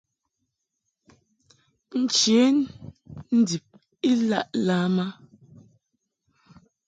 Nche ndib I laʼ lam a.